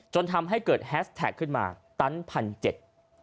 จนทำให้เกิดแฮสแท็กขึ้นมาตันพันเจ็ด